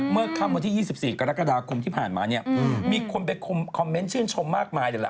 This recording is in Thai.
เมื่อเข้ามาที่๒๔กรกฎาคมที่ผ่านมามีคนไปคอมเมนชินชมมากมายเลย